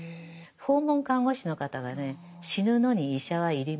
訪問看護師の方がね死ぬのに医者は要りません。